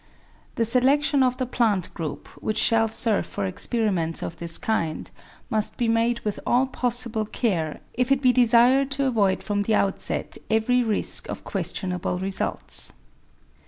The selection of the plant group which shall serve for experiments of this kind must be made with all possible care if it be desired to avoid from the outset every risk of questionable results.